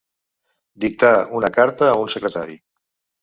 Dictar una carta a un secretari.